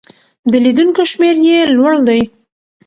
د لیدونکو شمېر یې لوړ دی.